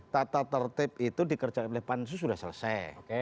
tata tertib itu dikerjakan oleh pansus sudah selesai